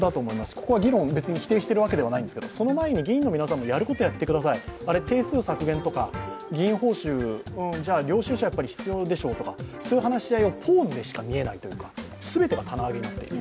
ここは議論を別に否定しているわけではないんですけどその前に議員の皆さんも、やることやってください、定数削減とか、議員報酬、領収書は必要でしょとか、そういう話し合いはポーズでしか見えないというか、棚上げになっている。